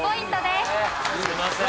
すいません。